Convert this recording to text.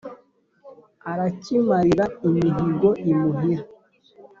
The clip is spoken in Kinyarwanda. arakimarira imihigo imuhira.